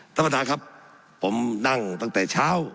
ท่านประธานครับผมนั่งตั้งแต่เช้า